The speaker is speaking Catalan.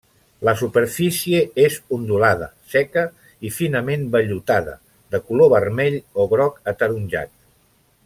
La superfície és ondulada, seca i finament vellutada, de color vermell o groc ataronjat.